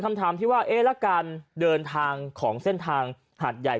คำถามที่ว่าเอ๊ะแล้วการเดินทางของเส้นทางหาดใหญ่